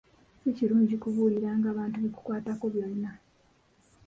Si kirungi kubuulira bantu bikukwatako byonna.